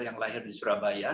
yang lahir di surabaya